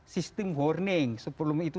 sistem warning sebelum itu